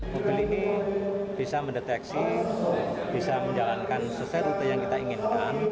mobil ini bisa mendeteksi bisa menjalankan sesuai rute yang kita inginkan